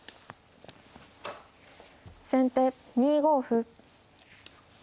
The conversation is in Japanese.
先手２五歩。